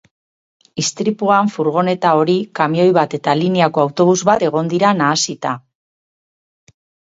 Istripuan furgoneta hori, kamioi bat eta lineako autobus bat egon dira nahasita.